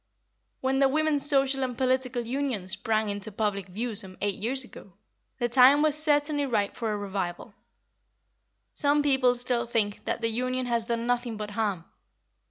When the Women's Social and Political Union sprang into public view some eight years ago, the time was certainly ripe for a revival. Some people still think that the Union has done nothing but harm.